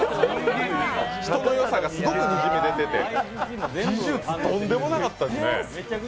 人のよさがすごくにじみ出てて、技術とんでもなかったですね。